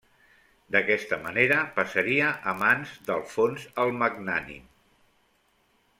D'aquesta manera passaria a mans d'Alfons el Magnànim.